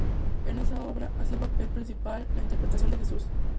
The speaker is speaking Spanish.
En esa obra hacía el papel principal, la interpretación de Jesús.